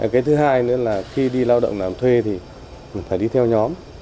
cái thứ hai nữa là khi đi lao động làm thuê thì phải đi theo nhóm